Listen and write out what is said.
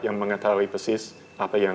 yang mengetahui persis apa yang